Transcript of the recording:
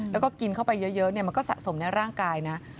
แล้วก็กินเข้าไปเยอะมันก็สะสมในร่างกายนะ